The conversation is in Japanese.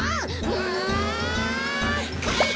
うんかいか！